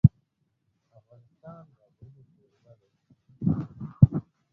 افغانستان د غرونه کوربه دی.